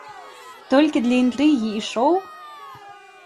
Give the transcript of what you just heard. Толькі для інтрыгі і шоў?